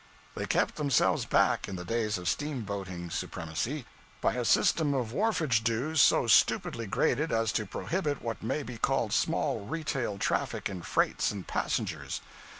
They kept themselves back in the days of steamboating supremacy, by a system of wharfage dues so stupidly graded as to prohibit what may be called small _retail _traffic in freights and passengers.